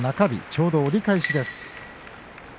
ちょうど折り返しです。